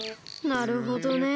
なるほど。